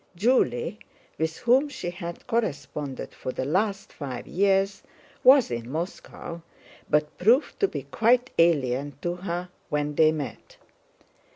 Julie, with whom she had corresponded for the last five years, was in Moscow, but proved to be quite alien to her when they met.